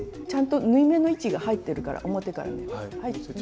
ちゃんと縫い目の位置が入ってるから表から見ると。